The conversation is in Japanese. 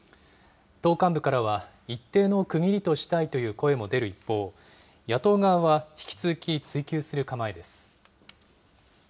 党幹部からは、一定の区切りとしたいという声も出る一方、野党側は引き続き追及する構えです。